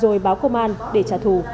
rồi báo công an để trả thù